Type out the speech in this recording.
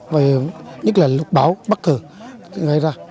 và nhất là lúc bão bất thường gây ra